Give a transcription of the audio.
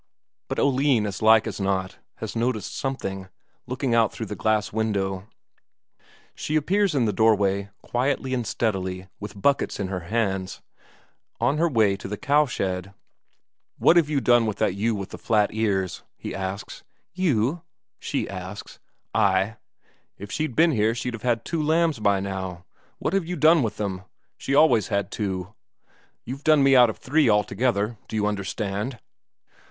But Oline as like as not has noticed something, looking out through the glass window; she appears in the doorway, quietly and steadily, with buckets in her hands, on her way to the cowshed. "What have you done with that ewe with the flat ears?" he asks. "Ewe?" she asks. "Ay. If she'd been here she'd have had two lambs by now. What have you done with them? She always had two. You've done me out of three together, do you understand?"